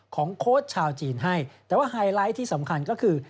โค้ชชาวจีนให้แต่ว่าไฮไลท์ที่สำคัญก็คือ